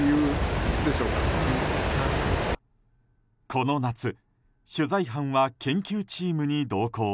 この夏、取材班は研究チームに同行。